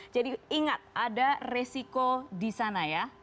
jadi ingat ada resiko di sana ya